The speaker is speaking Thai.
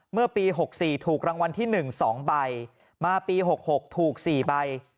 เมื่อปี๖๔ถูกรางวัลที่๑๒ใบมาปี๖๖ถูก๔ใบ